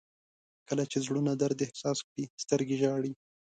• کله چې زړونه درد احساس کړي، سترګې ژاړي.